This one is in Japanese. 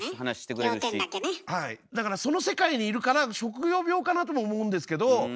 だからその世界にいるから職業病かなとも思うんですけど。